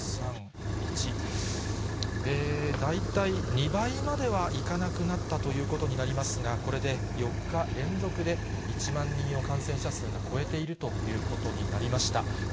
大体２倍まではいかなくなったということになりますが、これで４日連続で１万人を感染者数が超えているということになりました。